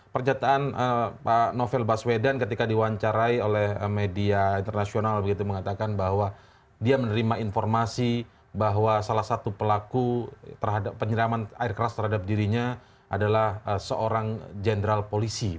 pernyataan pak novel baswedan ketika diwawancarai oleh media internasional begitu mengatakan bahwa dia menerima informasi bahwa salah satu pelaku penyiraman air keras terhadap dirinya adalah seorang jenderal polisi